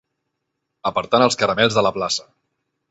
Apartant els caramels de la plaça.